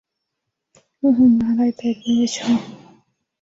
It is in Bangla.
উহুম, আড়াই পেগ মেরেছ!